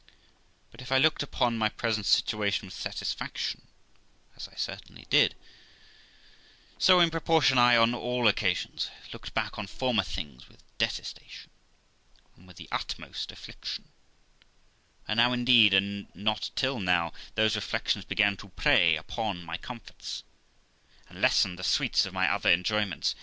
But, if I looked upon my present situation with satisfaction, as I certainly did, so, in proportion, I on all occasions looked back on former things with detestation, and with the utmost affliction; and now, indeed, and not till now, those reflections began to prey upon my comforts, and lessen the sweets of my other enjoyments.